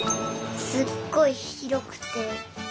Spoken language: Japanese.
すっごいひろくて。